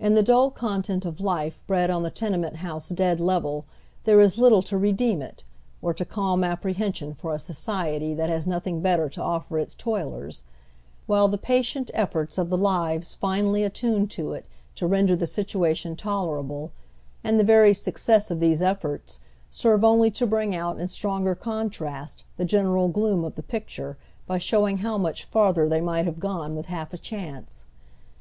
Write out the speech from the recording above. In the dull content of life bred on the tenement ho use dead level there is little tore deem it, or to calm apprehension for a society that has nothing better to offer its toilers ; while the patient efforts of the lives finally attuned to It to render the situation tolerable, and the very success of these efforts, serve only to bring out in stronger contrast tlie general gloom of the picture by showing how much farther they might have gone with half a clianee.